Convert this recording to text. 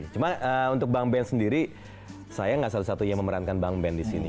cuma untuk bang ben sendiri saya gak satu satunya yang memerankan bang ben disini